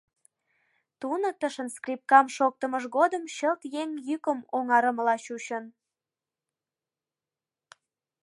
Туныктышын скрипкам шоктымыж годым чылт еҥ йӱкым оҥарымыла чучын.